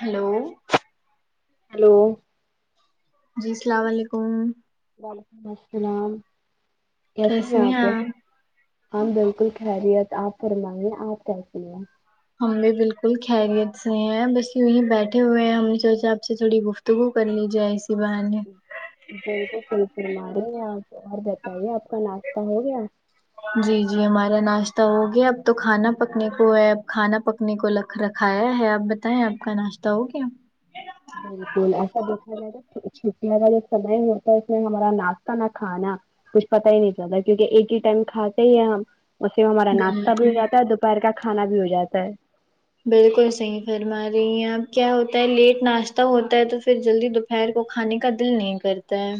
hello hello جی السلام علیکم وعلیکم السلام کیسی ہیں آپ ہم بالکل خیریت آپ فرمائیے آپ کیسی ہیں ہم بھی بالکل خیریت سے ہیں بس یوہی بیٹھے ہوئے ہیں ہم نے سوچا آپ سے تھوڑی گفت تگو کرلی جائے ایسی بہانے بالکل صحیح فرما رہی ہیں آپ اور بتائیے آپ کا ناشتہ ہو گیا جی جی ہمارا ناشتہ ہو گیا اب تو کھانا پکنے کو ہے اب کھانا پک کنے کو لکھ رکھایا ہے آپ بتائیں آپ کا ناشتہ ہو گیا بالکل ایسا دیکھا جائے چھٹیاں کا جو سمے ہوتا ہے اس میں ہمارا ناشتہ نہ کھانا کچھ پتا ہی نہیں چلتا کیونکہ ایک ہی ٹائم کھاتے ہے ہم اس سے ہمارا ناشتہ بھی ہو بالکل جاتا ہے دوپہر کا کھانا بھی ہو جاتا ہے بالکل صحیح فرما رہی ہیں آپ کیا ہوتا ہے لیٹ ناشتہ ہوتا ہے تو پھر جلدی دو پہر کو کھانے کا دل نہیں کرتا ہے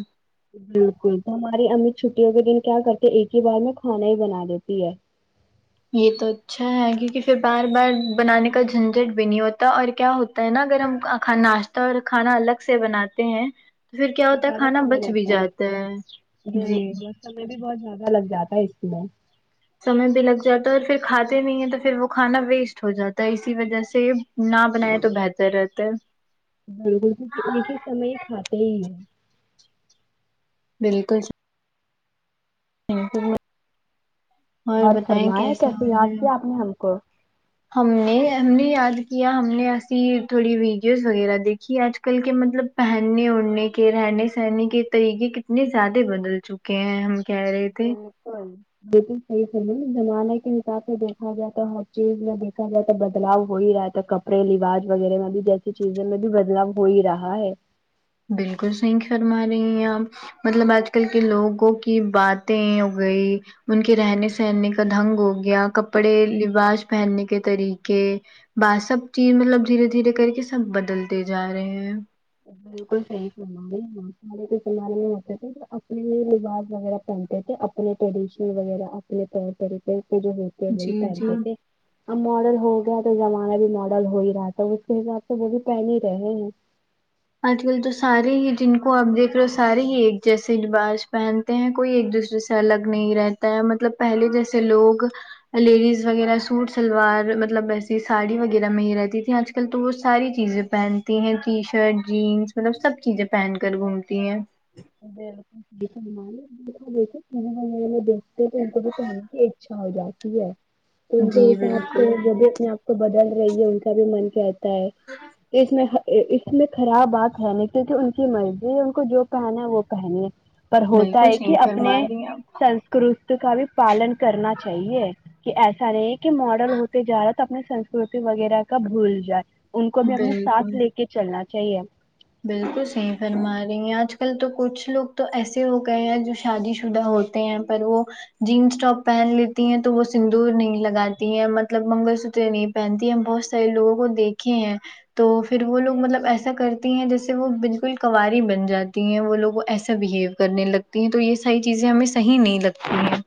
بالکل تو ہماری امی چھٹیوں کے دن کیا کرتے ایک ہی بار میں کھانا ہی بنا دیتی ہے یہ تو اچھا ہے کیونکہ پھر بار بار بنانے کا جھنجٹ بھی نہیں ہوتا اور کیا ہو تا ہے نا اگر ہم کھانا ناشتہ اور کھانا الگ سے بناتے ہیں تو پھر کیا تو ہوتا ہے زیادہ کھانا سمے بچ بھی لگتا جاتا ہے جی بالکل اور سمے بھی بہت زیادہ لگ جاتا ہے اس میں سمے بھی لگ جاتا ہے اور پھر کھاتے نہیں ہیں تو پھر وہ کھانا ویسٹ ہو جاتا ہے اسی وجہ سے نہ بنائے تو بہتر رہتا ہے بالکل [unintelligible] سمے ہی کھاتے ہی ہیں بالکل [unintelligible] اور بتائیں فرمائیں کیسا ہو کیسے یاد رہا کیا آپ نے ہم کو ہم نے ہم نے یاد کیا ہم نے ایسی تھوڑی ویڈیوز وغیرہ دیکھی آج کل کے مطلب پہننے اڑھنے کے رہنے سہنے کے طریقے کتنے زیادہ بدل چک کے ہیں ہم کہہ رہے تھے ہ بالکل صحیح سمے نہیں زمانے کے حساب سے دیکھا جائے تو ہر چیز میں دیکھا جائے تو بدلاؤ ہو ہی رہا تھا تو اپنے رواج وغیرہ میں بھی جیسی چیزیں میں بھی بدلاؤ ہو ہی رہا ہے بالکل صحیح فرما رہی ہیں آپ مطلب آج کل کے لوگوں کی باتیں ہو گئی ان کے رہنے سہنے کا ڈھنگ ہو گیا کپڑے لباس پہننے کے طریقے بات سب چیز مطلب دھیرے دھیرے کر کے سب بدلتے جا رہے ہیں بالکل صحیح فرما رہی ہے آپ ہمیں تو سارے کے زمانے میں ہوتے تھے تو اپنے لباس وغیرہ پہنتے تھے اپنے ٹریڈیشن وغیرہ اپنے طور طریقے کے جو ہوتے ہیں وہی جی جی پہنتے تھے اب ماڈل ہو گیا تو زمانہ بھی ماڈل ہو ہی رہا تھا اس کے حساب سے وہ بھی پہن ہی رہے ہیں آج کل تو سارے ہی جن کو آپ دیکھ رہے ہو سارے ہی ایک جیسے لباس پہن تے ہیں کوئی ایک دوسرے سے الگ نہیں رہتا ہے مطلب پہلے جیسے لوگ لیڈیز وغیرہ سوٹ سلوار مطلب ویسی ساڑی وغیرہ میں ہی رہتی تھی آج کل کل تو وہ ساری چیزیں پہنتی ہیں ٹی شرٹ جینس مطلب سب چیزیں پہن کر گھومتی ہیں [unintelligible] دیکھتے تو ان کو بھی کی اچھ ہو جاتی ہے تو ان کے جی حساب بالکل سے وہ بھی اپنے آپ تو بدل رہی ہے ان کا بھی من کہتا ہے اس میں اس میں خراب بات ہے نا کیونکہ ان کی مرضی ہے ان کو جو پہنا ہے وہ پہنیں پر ہوتا بالکل ہے صحیح کہ اپنے فرما رہی ہیں آپ سنسکرت کا بھی پالن کرنا چاہیے کہ ایسا نہیں ہے کہ ماڈرل ہوتے جا رہا تو اپنی سنسکرتی وغیرہ کا بھول جائے ان کو بھی اپنے ساتھ بالکل لے کے چلنا چاہیے بالکل صحیح فرما رہی ہیں آج کل تو کچھ لوگ تو ایسے ہو گئے ہیں جو شادی شدہ ہو ہیں پر وہ جینس ٹاپ پہن لیتی ہیں تو وہ سندور نہیں لگاتی ہیں مطلب منگل سوتر نہیں پہنتی ہے ہم بہت سارے لوگوں کو دیکھے ہیں تو پھر وہ لوگ مطلب ایسا کرتے ہیں جیسے وہ بالکل کواری بن جاتی ہیں وہ لوگوں ایسا بہیو کرنے لگتے ہیں تو یہ ساری چیزیں ہمیں صحی نہیں لگتی ہیں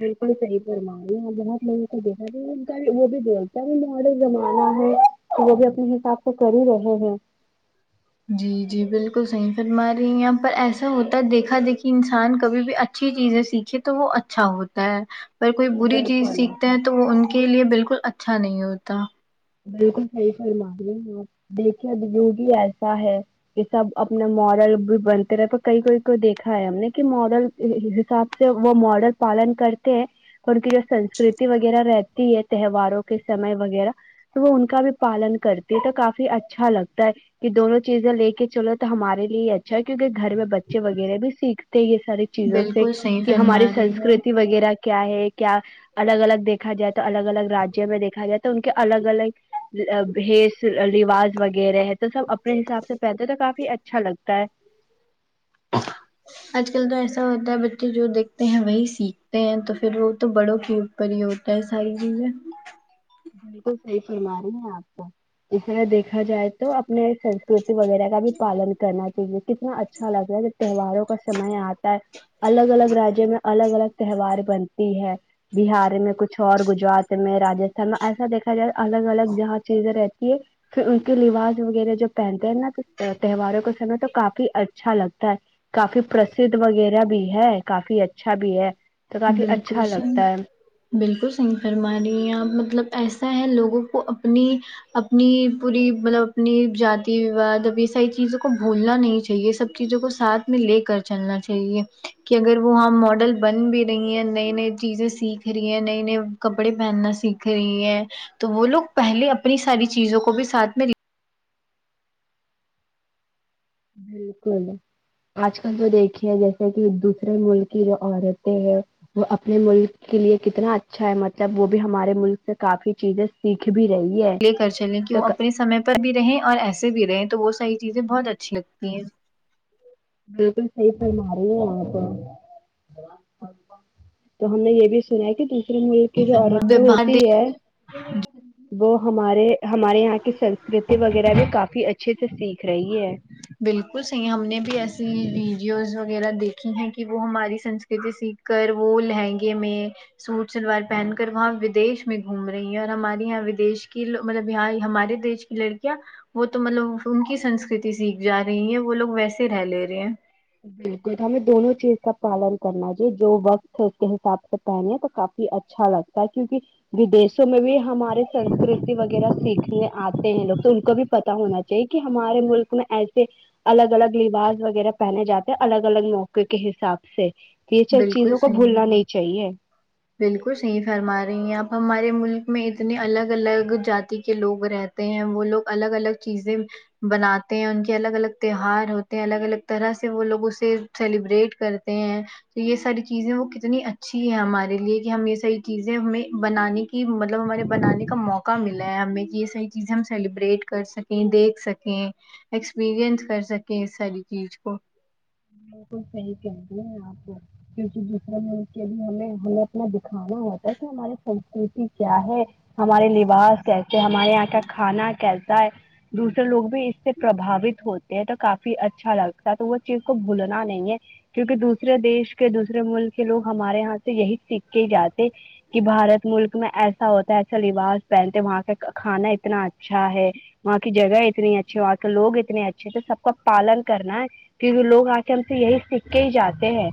بالکل صحیح فرما بہت میں نے کو دیکھا بھی وہ بھی بولتا بھی ماڈر زمانہ ہے وہ بھی اپنے حساب کو کر ہی رہے ہیں جی جی بالکل صحیح فرما رہی ہیں یہاں پر ایسا ہوتا ہے دیکھا دیکھی انسان کبھی بھی اچھی چیزیں سیکھیں تو وہ اچھا ہوتا ہے پر کوئی بری چیز بالکل سیکھتا ہیں تو وہ ان کے لیے بالکل اچھا نہیں ہوتا بالکل صحیح فرماے ہ دیکھے بجوگی ایسا ہے یہ سب اپنا ماڈل بھی بنتے رہے تو کئی کوئی کو دیکھا ہے ہم نے کہ ماڈل حساب سے وہ ماڈل پالن کرتے ہیں فرق یہ سنسکرتی وغیرہ رہتی ہے تہواروں کے سمے وغیرہ وہ ان کا بھی پالن کرتی ہے تو کافی اچھا لگتا ہے کہ دونوں چیزیں لے کے چلو تو ہمارے لیے ہی ا اچھا کیکہ گھر میں بچے وغیرہ بھی سیکھتے یہ ساری چیزوں سے بالکل صحیح کہ ہماری فرما رہی ہیں سنسکرتی آپ وغیرہ کیا ہے کیا الگ الگ دیکھا جائے تو الگ الگ رجیہوں میں دیکھا جائے تو ان کے الگ الگ بھیس رواج وغیرہ ہے تو سب اپنے حساب سے پہنتے تو کافی اچھا لگتا ہے آج کل تو ایسا ہوتا ہے بچے جو دیکھتے ہیں وہی سیکھتے ہیں تو پھر وہ تو بڑوں کی پر ہی ہوتا ساری چیزیں بالکل صحیح فرما رہی ہیں آپ کو اس طرح دیکھا جائے تو تو اپنے سسکرتی وغیرہ کا بھی پالن کرنا چاہیے کتنا اچھا لگ رہا ہے جب تہواروں کا سمے آتا ہے الگ الگ رجیہ میں الگ الگ تہوار بنتی ہے بہار میں کچھ اور گجرات میں راجیہ ایسا دیکھا جائے الگ الگ جہاں چیزیں رہتی ہے پھر ان کے لباس وغیرہ جو پہنتے ہیں نا تہواروں کو سمے تو کافی اچھا لگتا ہے کافی پرسھ وغیرہ بھی ہے کافی اچھا بھی ہے تو کافی بالکل اچھا صحیح لگتا ہے بالکل صحیح فرمارہی ہے اپ مطلب ایسا ہے لوگوں کو اپنی اپنی پوری مطلب اپنی جاتی وواد اب یہ ساری چیزوں کو بھولنا نہیں چاہیے سب چیزوں کو ساتھ میں لے کر چلنا چاہیے کہ اگر وہ ہ ماڈل بن بھی رہی ہیں نئی نئی چیزیں سیکھ رہی ہیں نئے نئے کپڑے پہننا سیکھ رہی ہیں تو وہ لوگ پہلے اپنی ساری چیزوں کو بھی ساتھ میں بالکل آج کل تو دیکھیے جیسے کہ دوسرے ملک کی جو عورتیں ہیں وہ اپنے ملک کے لیے کتنا اچھا ہے مطلب وہ بھی ہمارے ملک سے کافی چیزیں سیکھ بھی رہی ہے لے کر چلیں کہ تو وہ اپنے سمے پر بھی رہ اور ایسے بھی رہے تو وہ ساری چیزیں بہت اچھی لگتی ہیں بالکل صحیح فرما رہی ہےآپا تو ہم نے یہ بھی سنا کی ملک کی جو عورتیں باہر ہوتی ہے وہ ہمارے ہمارے یہاں کی سنسکرتی وغیرہ بھی کافی اچھے سے سیکھ رہی ہے بالکل صحیح ہم نے بھی ایسی ویڈیوز وغیرہ دیکھی ہیں کہ وہ ہماری سسکرتی سیکھ کر وہ لہنگے میں سوٹ سلوار پہن کر وہاں ودش میں گھوم رہی ہے اور ہمارے یہاں ودش کیو مطلب یہاں ہمارے دیش لڑکیاں وہ تو مطلب ان کی سنسکرتی سیکھ جا رہی ہے وہ لوگ ویسے رہ لے رہے ہیں بالکل ہمیں دونوں چیز کا پالن کرنا چاہئے جو وقت ہے اس کے حساب سے پہنی یہ پاکاتی ہے اچھا لگتا ہے کیونکہ ودیشوں میں بھی ہمارے سنسکرتی وغیرہ سیکھنے آتے ہیں لوگ تو ان کو بھی پتتا ہونا کہ ہمارے ملک میں ایسے الگ الگ لباس وغیرہ پہنے جاتے الگ الگ موقع کے حساب سے یہ سب بالکل چیزوں کو صحیح بھولنا نہیں چاہیے بالکل صحیح فرما رہی ہیں اپ ہمارے ملک میں اتنے الگ الگ جاتی کے لوگ رہتے ہیں وہ لوگ الگ الگ چیزیں بناتے ہیں ان کے الگ الگ تیوار ہوتے ہیں الگ الگ طرح سے وہ لوگوں سے سیلیبریٹ کرتے ہیں تو یہ ساری چیزیں وہ کتنی اچھی ہے ہمارے لیے کہ ہم یہ ساری چیزیں ہمیں بنانے کی کہ مطلب ہمارے بنانے کا موقع ملا ہے ہمیں کہ یہ ساریح چیزیں ہم سیلیبریٹ کر سکیں دیکھ سکیں ایکسپریئنس کر سکیں اس ساری چیز کو بالکل صحی کہتی ہے آپ کیونکہ دوسرے ملک کے بھی ہمیں ہمیں اپنا دکھانا ہوتا ہے کہ ہماری سنسکرتی کیا ہے ہمارے لباس کیسے ہیں ہمارے یہاں کا کھانا کیسا ہے دوسرے لوگ بھی اس سے پربھاوت ہوتے ہیں تو کافی اچھا لگتا ہے تو وہ چیز کو بھولنا نہیں ہے کیونکہ دوسرے دیش کے دوسرے ملک کے لوگ ہمارے یہاں سے یہی سیکھ کے جاتے کہ بھارت ملک میں ایسا ہوتا ہے ایسا لباس پہنتے وہاں کا کھانا اتنا اچھا ہے وہاں کی جگہ اتنی اچھی وہاں کے لوگ اتنے اچھے تھے سب کا پالن کرنا ہے کیونکی لوگ آ کے ہم سے یہی سیککھ کے ہی جاتے ہیں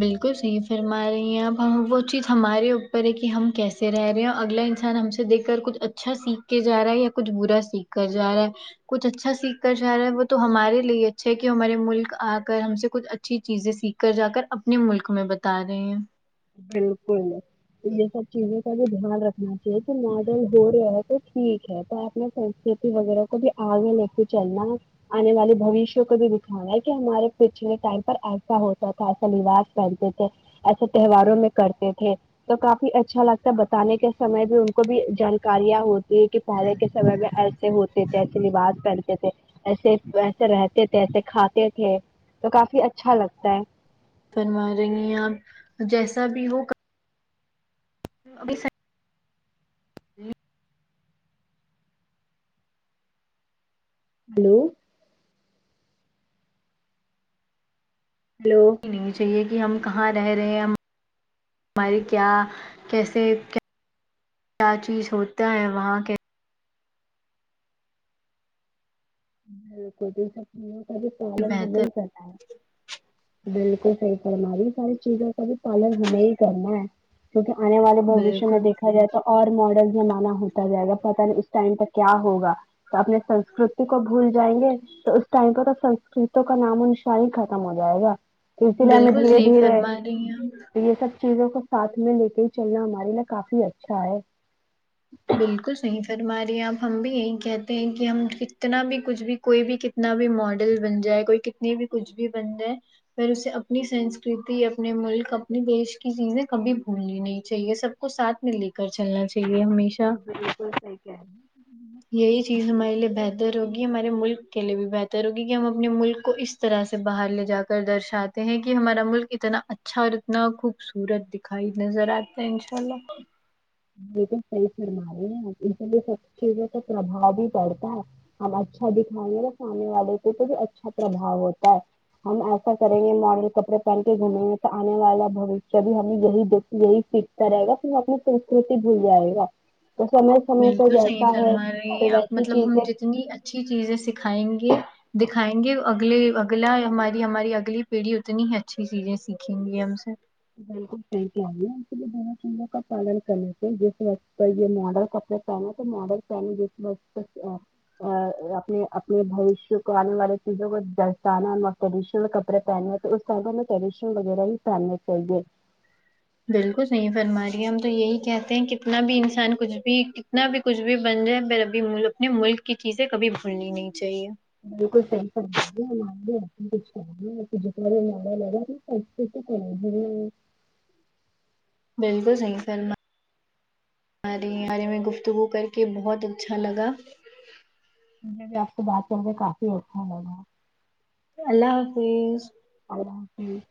بالکل صحیح فرما رہی ہیں اب وہ چیز ہمارے اوپر ہے کی ہم کیسے رہ رہے ہیں اور اگلا انسان ہم سے دیکھ کر کچھ اچھا سیکھ کے جا رہا ہے یا کچھ برا سیکھا جا رہا ہے کچھ اچھا سیکھ کر جا رہا ہے وہ تو ہمارے لیے اچھا ہے کہ ہمارے ملک آ کر ہم سے کچھ اچھی چیزیں سیکھ کر جا کر اپنے ملک میں بتا رہے ہیں بالکل تو یے سب چیزوں کا بھی دھیان رکھنا چاہیے کے [unintelligible] ٹھیک ہے تو آپ نے سسکرتی وغیرہ کو بھی آگے لے کے چلنا آنے والے بوشیہ کو بھی دکھانا ہے کہ ہمارے پچھلے ٹائم پر ایسا ہوتا تھا ایسا لباس پہنتے تھے ایسے تہواروں میں کرتے تھے تو کافی اچھا لگتا ہے بتانے کے سمے بھی ان کو بھی جانکاریاں ہوتی یے کہ پہلے کے سمے میں ایسے ہوتے تھے ایسے لباس پہنتے تھے ایسے ایسے رہتے تھے ایسے کھاتے تھے تو کافی اچھا لگتا ہے فما رہی ہیں آپ جیسا بھی ہو ابھی سے لی ہلو ہیلو چاہیے کہ ہم کہاں رہ رہے ہیں ہم ہماری کیا کیسے کیا چیز ہوتا ہے وہاں کی بہتر [unintelligible] بالکل صحیح فرمای ساری چیزوں کا بی پالن ہمیں ہی کرنا ہے کیونکی آنے والے بوشیہ میں بالکل دیکھا جائے تو اور ماڈل زمانہ ہوتا جائے گا پتہ نہیں اس ٹائم پے کیا ہوگا تو اپنے سنسکت تی کو بھول جائیں گے تو اس ٹائم پے تو سسکرتوں کا نام و نسان ہی ختم ہو جائے گا تو اسی لیے ہم میں بالکل دھیرے صحیح دھیرے فرما رہی ہیں آپ تو یے سب چیزوں کو ساتھ میں لے کے ہی چلنا ہمارے لیے کافی اچھا ہے بالکل صحیح فرما رہی ہے آب ہم بھی یہی کہتے ہیں کی ہم کتنا بھی کچھ بھی کوئی بھی کتنا بھی ماڈل بن جائے کوئی کتنی بھی کچھ بھی بن جائے پر اسے اپنی سنسکرتی اپنے ملک اپنی دیش کی چیزیں کبھی بھولنی نہیں چاہیے سب کو ساتھ میں لے کر چلنا چاہیے ہمیشہ بالکل صحیح کہہ رہی ہے یہی چیز ہمارے لیے بہتر ہوگی ہمارے ملک کے لیے بھی بہتر تر ہوگی کی ہم اپنے ملک کو اس طرح سے باہر لے جا کر درشاتے ہیں کی ہمارا ملک اتنا اچھا اچھا اتنا خوبصورت دکھائی نظر آتا ہے ان شاء اللہ لیکن صحیح فرماے ہیں ان کے لیے سب چیزوں کا پرباؤ ہی پڑتا ہے ہم اچھا دکھائیں گے اور سامنے والے کو تو بھی اچھا پرباؤ ہوتا ہے ہم ایسا کریں گے ماڈل کپڑے پہن کے گھومیں گے تو آنے والا بوشیہ شیہ بھی ہمیں یہی دیک یہی سیکھتا رہے گا پھر اپنی سسکرتی بھول جائے گا تو سمے سمے تو بالکل صحیح جیسا ہے فرما رہی ہیں تو آپ ویسی مطلب ہم چیزیں جتنی اچھی چیزیں سکھائیں گے دکھائیں گے اگلے اگلا ہماری ہماری اگلی پیڑھی اتنی ہی اچھی چیزیں سیکھیں گی ہم سے بالکل صحیح کہہ رہی ہے دونوں چیزوں کا پالن کرنا [unintelligible] پنا تو ماڈل پین تو اپنے اپنے بوشیہ کو آنے والی چیزوں کو درشانا ٹریڈیشنل کپڑے پہنے ہیں تو میں ریشن وغیرہ ہی ساننے چاہیے بالکل صحیح فرم رہے ہم تو یہی کہتے ہیں کتنا بھی انسان کچھ بھی کتنا بھی کچھ بھی بن جائے پھر ابھی اپنے ملک کی چیزیں کبھی بھولنی نہیں چاہیے بالکل صحیح فرمارہی [unintelligible] [unintelligible] بالکل صحیح فرما مارے ارے میں گفتگو کر کے بہت اچھا لگا حمیں بھی آپ سے بات کرکے کافی اچھا لگا اللہ حافظ اللہ حفظ